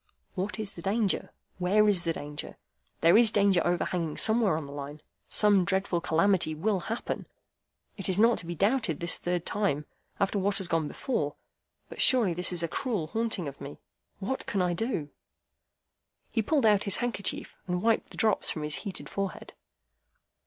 "What is the danger? Where is the danger? There is danger overhanging somewhere on the Line. Some dreadful calamity will happen. It is not to be doubted this third time, after what has gone before. But surely this is a cruel haunting of me. What can I do?" He pulled out his handkerchief, and wiped the drops from his heated forehead.